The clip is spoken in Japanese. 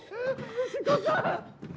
藤子さん